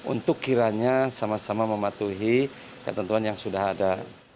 untuk kiranya sama sama mematuhi ketentuan yang sudah ada